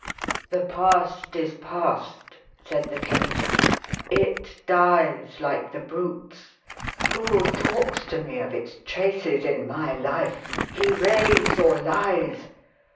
"The past is past," said the Chemist. "It dies like the brutes. Who talks to me of its traces in my life? He raves or lies!